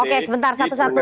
oke sebentar satu satu